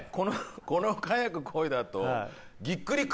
このカヤック漕いだあとえっ？